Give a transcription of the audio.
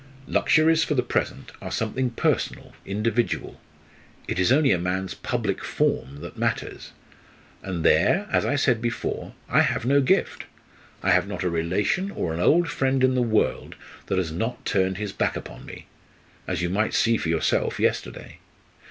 Luxuries, for the present, are something personal, individual. It is only a man's 'public form' that matters. And there, as I said before, I have no gift! I have not a relation or an old friend in the world that has not turned his back upon me as you might see for yourself yesterday!